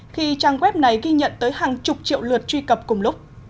khi trang web này ghi nhận tới hàng chục triệu lượt truy cập cùng lúc